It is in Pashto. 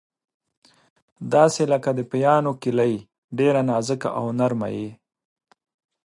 داسې لکه د پیانو کیلۍ، ډېره نازکه او نرمه یې.